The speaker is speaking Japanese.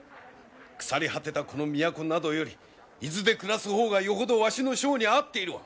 腐り果てたこの都などより伊豆で暮らす方がよほどわしの性に合っているわ。